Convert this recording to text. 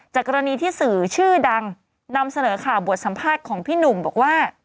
กรณีที่สื่อชื่อดังนำเสนอข่าวบทสัมภาษณ์ของพี่หนุ่มบอกว่า